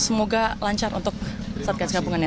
semoga lancar untuk satgas gabungan ya